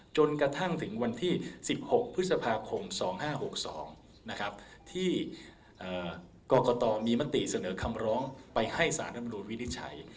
จนกระทั่งถึงวันที่๑๖พฤษภาคม๒๕๖๒ที่กรกตมีมติเสนอคำร้องไปให้สารธรรมนูลวินิจฉัย